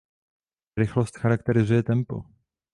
Rychlost charakterizuje tempo.